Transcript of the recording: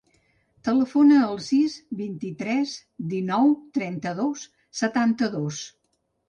Telefona al sis, vint-i-tres, dinou, trenta-dos, setanta-dos.